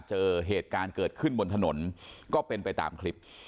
เจอเหตุการณ์เกิดขึ้นบนถนนก็เป็นไปตามคลิป